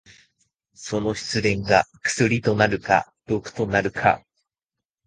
その失恋が薬となるか毒となるか。